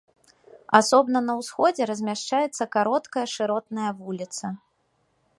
Асобна на ўсходзе размяшчаецца кароткая шыротная вуліца.